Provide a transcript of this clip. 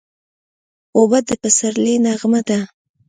اوبه د پسرلي نغمه ده.